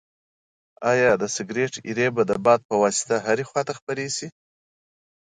ایا د سګرټ ایرې به د باد په واسطه هرې خواته خپرې شي؟